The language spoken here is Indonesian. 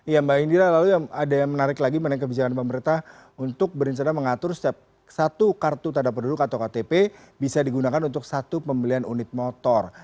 ya mbak indira lalu ada yang menarik lagi mengenai kebijakan pemerintah untuk berencana mengatur setiap satu kartu tanda penduduk atau ktp bisa digunakan untuk satu pembelian unit motor